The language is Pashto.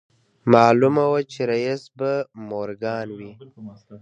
معلومه وه چې رييس به مورګان و.